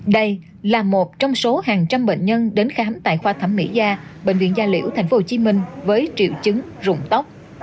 đây là một trong số hàng trăm bệnh nhân đến khám tại khoa thẩm mỹ gia bệnh viện gia liễu tp hcm với triệu chứng rụng tóc